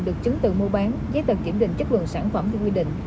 được chứng từ mua bán giấy tờ kiểm định chất lượng sản phẩm theo quy định